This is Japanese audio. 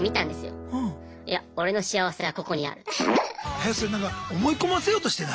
えっそれなんか思い込ませようとしてない？